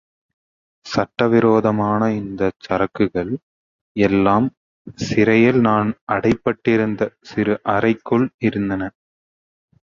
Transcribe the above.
சட்டவிரோதமான இந்தச் சரக்குகள் எல்லாம் சிறையில் நான் அடைபட்டிருந்த சிறு அறைக்குள் இருந்தன.